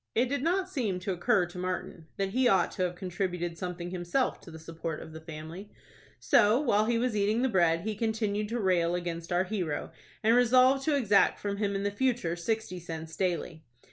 It did not seem to occur to Martin that he ought to have contributed something himself to the support of the family. So, while he was eating the bread, he continued to rail against our hero, and resolved to exact from him in future sixty cents daily.